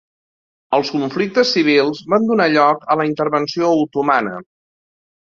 Els conflictes civils van donar lloc a la intervenció otomana.